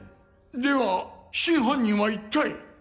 では真犯人は一体？